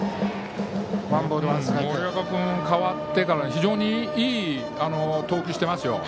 森岡君に代わってから非常にいい投球していますよ。